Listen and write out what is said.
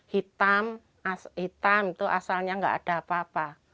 hitam itu asalnya nggak ada apa apa